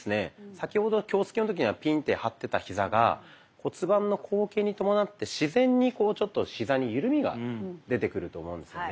先ほどは気をつけの時にはピンって張ってたヒザが骨盤の後傾に伴って自然にちょっとヒザに緩みが出てくると思うんですよね。